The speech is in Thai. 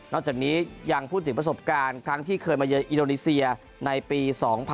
จากนี้ยังพูดถึงประสบการณ์ครั้งที่เคยมาเยืออินโดนีเซียในปี๒๐๑๖